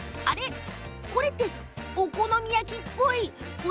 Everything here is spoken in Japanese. これってお好み焼きっぽい？